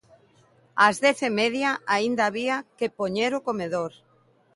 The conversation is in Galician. Ás dez e media aínda había que "poñer o comedor".